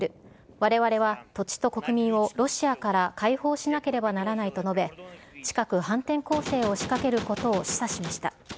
われわれは土地と国民をロシアから解放しなければならないと述べ、近く反転攻勢を仕掛けることを示唆しました。